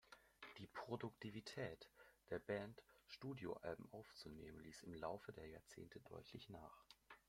Die Produktivität der Band, Studioalben aufzunehmen, ließ im Laufe der Jahrzehnte deutlich nach.